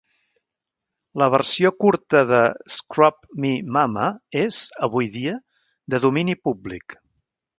La versió curta de "Scrub Me Mama" és, avui dia, de domini públic.